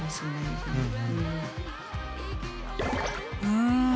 うん。